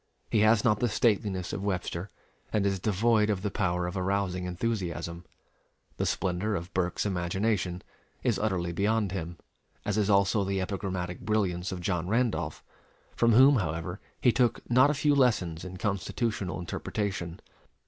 He has not the stateliness of Webster, and is devoid of the power of arousing enthusiasm. The splendor of Burke's imagination is utterly beyond him, as is also the epigrammatic brilliance of John Randolph, from whom, however, he took not a few lessons in constitutional interpretation.